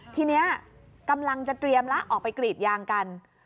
ทีนี้กำลังจะเตรียมแล้วออกไปกรีดยางกัน